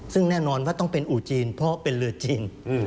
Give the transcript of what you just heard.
ซึ่งแน่นอนว่าต้องเป็นอู่จีนเพราะเป็นเรือจีน